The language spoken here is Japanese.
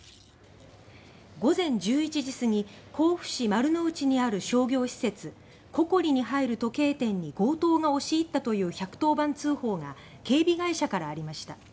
午前１１時すぎ甲府市丸の内にある商業施設「ココリ」に入る時計店に強盗が押し入ったという１１０番通報が警備会社からありました。